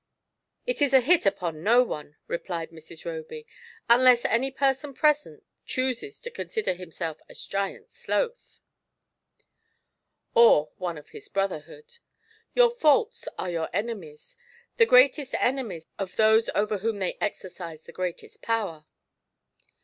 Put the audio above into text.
"It is a hit upon no one," replied Mrs. Eoby, "unless any person present chooses to consider himself as Giant Sloth or one of his brotherhood. Your faults are your enemies, the greatest enemies of those over whom they exercise the greatest power.